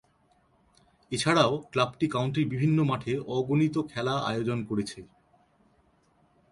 এছাড়াও, ক্লাবটি কাউন্টির বিভিন্ন মাঠে অগণিত খেলা আয়োজন করেছে।